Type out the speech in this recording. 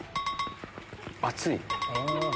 熱い？